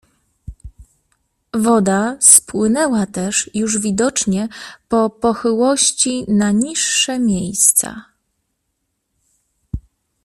Woda spłynęła też już widocznie po pochyłości na niższe miejsca.